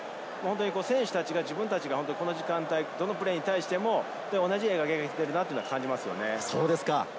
選手たちはこの時間帯、どのプレーに対しても同じ考えをしているなと感じますね。